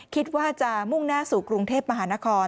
คิดว่าจะมุ่งหน้าสู่กรุงเทพมหานคร